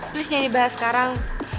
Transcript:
plus yang dibahas sekarang